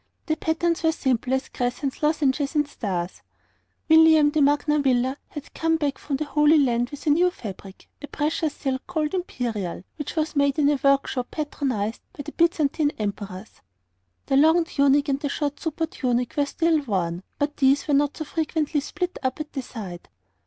The patterns were simple, as crescents, lozenges, stars. William de Magna Villa had come back from the Holy Land with a new fabric, a precious silk called 'imperial,' which was made in a workshop patronized by the Byzantine Emperors. The long tunic and the short supertunic were still worn, but these were not so frequently split up at the side.